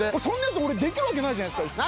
そんなやつできるわけないじゃないですか。